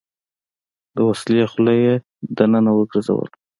د وسلې خوله يې دننه وګرځوله.